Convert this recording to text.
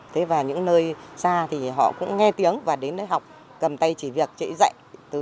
thế và những nơi xa thì họ cũng nghe tiếng và đến nơi học cầm tay chỉ việc chạy dạy